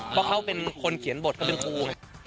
เพราะเขาเป็นคนเขียนบทเขาเป็นครู